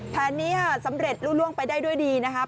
แผนนี้สำเร็จล่วงไปได้ด้วยดีนะครับ